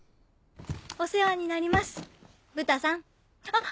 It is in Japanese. お世話になりますブタさんあっ！